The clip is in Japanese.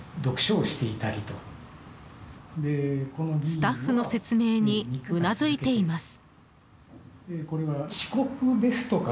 スタッフの説明にうなずいています。